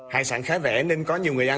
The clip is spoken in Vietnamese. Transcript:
hải sản khá vẻ nên có nhiều người ăn